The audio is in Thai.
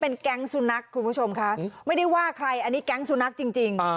แก๊งสุนัขคุณผู้ชมคะไม่ได้ว่าใครอันนี้แก๊งสุนัขจริง